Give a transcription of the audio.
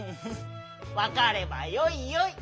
わかればよいよい！